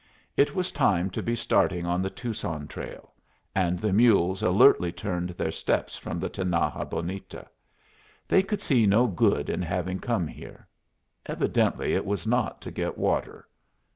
It was time to be starting on the Tucson trail, and the mules alertly turned their steps from the Tinaja Bonita. They could see no good in having come here. Evidently it was not to get water.